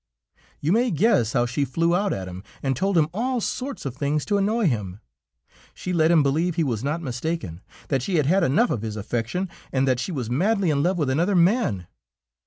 You may guess how she flew out at him and told him all sorts of things to annoy him; she let him believe he was not mistaken, that she had had enough of his affection, and that she was madly in love with another man.